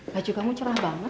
baju kamu cerah banget